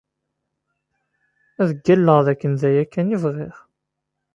Ad ggalleɣ d akken d aya kan i bɣiɣ.